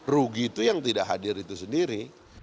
rugi itu yang tidak hadir itu sendiri